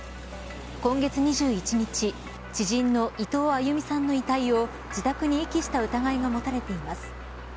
今月２１日知人の伊藤亜佑美さんの遺体を自宅に遺棄した疑いが持たれています。